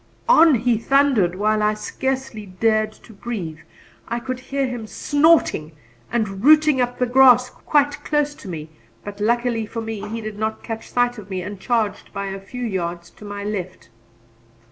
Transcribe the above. On he thundered, while I scarcely dared to breathe. I could hear him snorting and rooting up the grass quite close to me, but luckily for me he did not catch sight of me and charged by a few yards to my left.